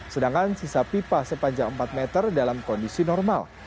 sedangkan sisa pipa sepanjang empat meter dalam kondisi normal